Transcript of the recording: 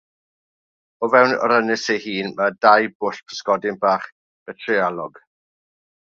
O fewn yr ynys ei hun, mae dau bwll pysgod bach petryalog.